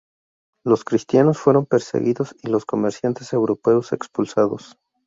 Los cristianos fueron perseguidos y los comerciantes europeos expulsados.